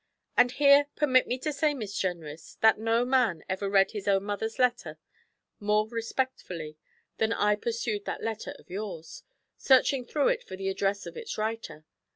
'And here permit me to say, Miss Jenrys, that no man ever read his own mother's letter more respectfully than I perused that letter of yours, searching through it for the address of its writer.